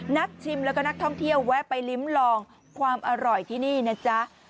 ชิมแล้วก็นักท่องเที่ยวแวะไปลิ้มลองความอร่อยที่นี่นะจ๊ะ